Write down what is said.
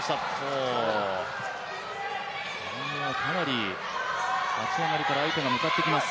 かなり立ち上がりから相手が向かってきます。